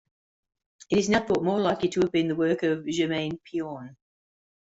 It is now thought more likely to have been the work of Germain Pilon.